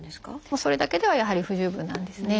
それだけではやはり不十分なんですね。